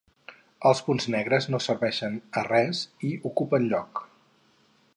Els punts negres no serveixen a res i ocupen lloc.